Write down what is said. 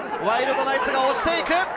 ワイルドナイツが押していく。